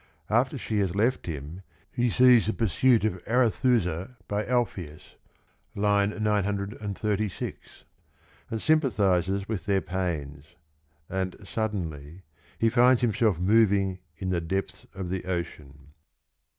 After she has left him he sees the pursuit of Arethusa by Alpheus (936) and sympathises with their pains. And suddenly he finds himself moving in the depths of the ocean.